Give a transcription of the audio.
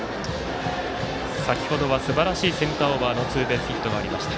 先ほどはすばらしいセンターオーバーのツーベースヒットがありました。